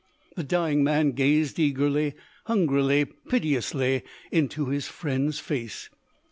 The dying man gazed eagerly, hungrily, piteously into his friend's face.